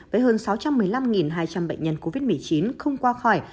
với hơn sáu trăm một mươi năm hai trăm linh bệnh nhân covid một mươi chín không qua khỏi